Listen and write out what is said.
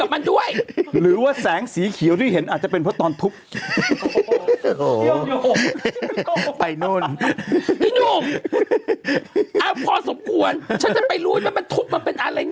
มองเหมือนรุ่นไฮโซ